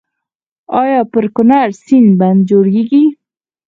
آیا پر کنړ سیند بند جوړیږي؟